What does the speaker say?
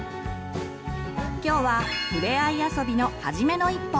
今日はふれあい遊びのはじめの一歩。